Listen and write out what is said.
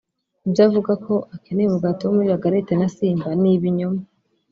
Ibyo avuga ko akaneye umugati wo muri La Galette na Simba ni ibinyoma